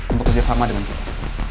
untuk kerjasama dengan kita